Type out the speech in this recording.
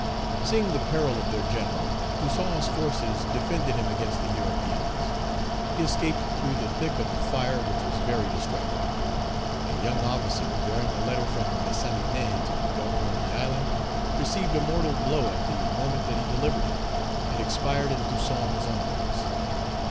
Seeing the peril of their general, Toussaint's forces defended him against the Europeans. He escaped through the thick of a fire which was very destructive. A young officer, bearing a letter from Dessalines to the Governor of the island, Page 194 received a mortal blow at the moment that he delivered it, and expired in Toussaint's arms.